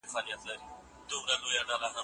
که څوک پخپله څېړونکی نه وي لارښود نه سي کېدای.